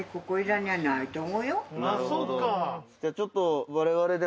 じゃあちょっと」